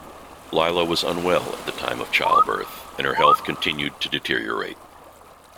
Lila was unwell at the time of childbirth, and her health continued to deteriorate.